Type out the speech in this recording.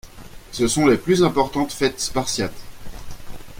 Ce sont les plus importantes fêtes spartiates.